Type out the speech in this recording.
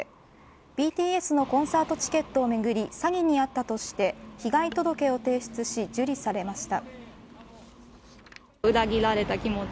ＢＴＳのコンサートチケットをめぐり詐欺にあったとして被害届を提出し受理されました。